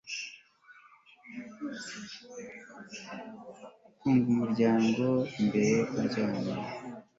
Funga umuryango mbere yo kuryama